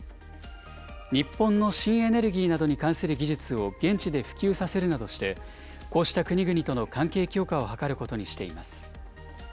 日本の新エネルギーなどに関する技術を現地で普及させるなどしてこうした国々との関係強化を図ることにしています。